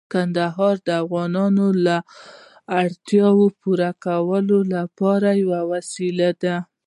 کندهار د افغانانو د اړتیاوو پوره کولو لپاره یوه وسیله ده.